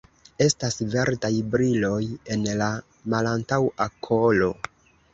Estas verdaj briloj en la malantaŭa kolo.